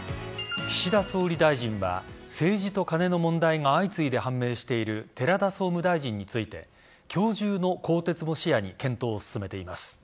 岸田総理大臣は政治とカネの問題が相次いで判明している寺田総務大臣について今日中の更迭も視野に検討を進めています。